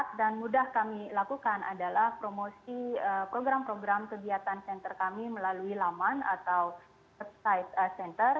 yang mudah kami lakukan adalah promosi program program kegiatan center kami melalui laman atau website center